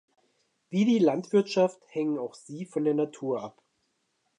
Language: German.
Wie die Landwirtschaft hängt auch sie von der Natur ab.